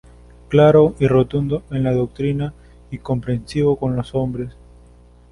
Claro y rotundo en la doctrina y comprensivo con los hombres.